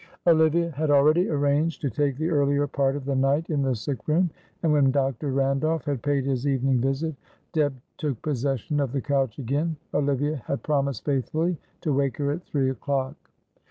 Olivia had already arranged to take the earlier part of the night in the sick room, and when Dr. Randolph had paid his evening visit, Deb took possession of the couch again. Olivia had promised faithfully to wake her at three o'clock.